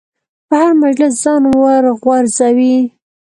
په هر مجلس ځان ورغورځوي.